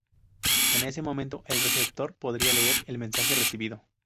En ese momento el receptor podría leer el mensaje recibido.